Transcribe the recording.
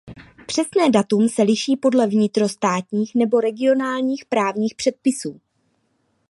Přesné datum se liší podle vnitrostátních nebo regionálních právních předpisů.